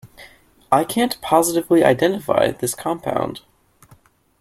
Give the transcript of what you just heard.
I can't positively identify this compound.